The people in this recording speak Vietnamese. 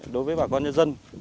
đối với bà con nhân dân